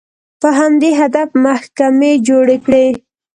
په همدې هدف محکمې جوړې کړې